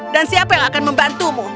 dan siapa yang akan membantumu